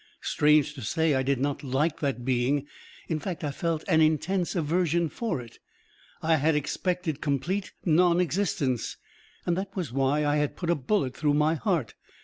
Strange to say, I did not like that being, in fact I felt an intense aversion for it. I had expected complete non existence, and that was why I had put a bullet through my heart.